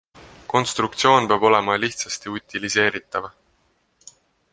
Konstruktisoon peab olema lihtsasti utiliseeritav.